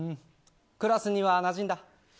クラスには馴染んだ。